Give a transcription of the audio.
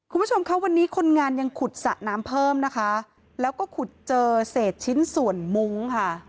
คุณผู้ชมคะวันนี้คนงานยังขุดสระน้ำเพิ่มนะคะแล้วก็ขุดเจอเศษชิ้นส่วนมุ้งค่ะ